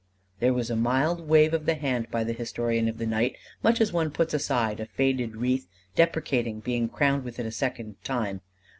_" There was a mild wave of the hand by the historian of the night, much as one puts aside a faded wreath, deprecating being crowned with it a second time.